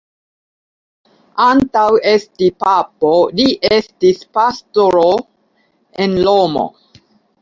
Antaŭ esti papo, li estis pastro en Romo.